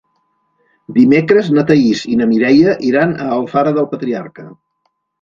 Dimecres na Thaís i na Mireia iran a Alfara del Patriarca.